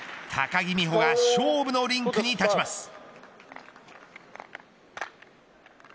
高木美帆が勝負のリンクに立ちます。